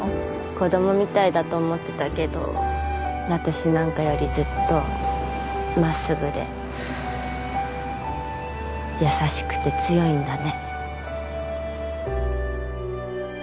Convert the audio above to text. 子供みたいだと思ってたけど私なんかよりずっと真っすぐで優しくて強いんだね。